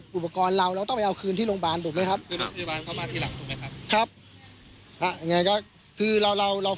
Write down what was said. ถูกไหมครับคือที่หลังถูกไหมครับครับอ้าอย่างเงี้ยคือเราเรา